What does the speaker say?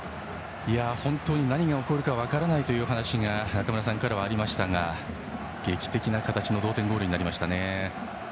本当に何が起こるか分からないという話が中村さんからはありましたが劇的な形の同点ゴールになりましたね。